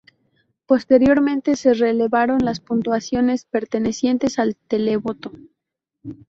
Posteriormente, se revelaron las puntuaciones pertenecientes al televoto.